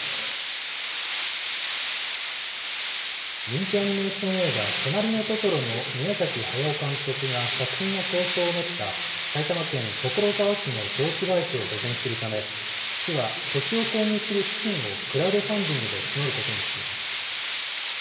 人気アニメーション映画、となりのトトロの宮崎駿監督が作品の構想を練った、埼玉県所沢市の雑木林を保全するため、市は土地を購入する資金をクラウドファンディングで募ることにしています。